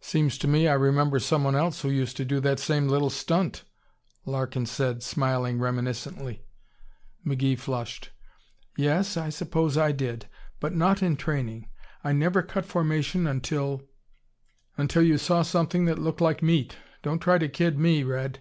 "Seems to me I remember someone else who used to do that same little stunt," Larkin said, smiling reminiscently. McGee flushed. "Yes, I suppose I did, but not in training. I never cut formation until " "Until you saw something that looked like meat. Don't try to kid me, Red.